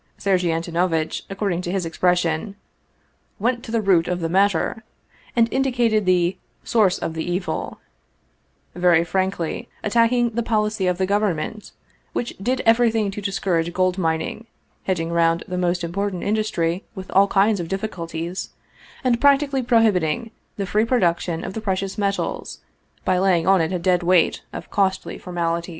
Sergei Antono vitch, according to his expression, " went to the root of the matter," and indicated the " source of the evil/' very frankly attacking the policy of the government, which did everything to discourage gold mining, hedging round this most important industry with all kinds of difficulties, and practically prohibiting the free production of the precious metals by laying on it a dead weight of costly formalities.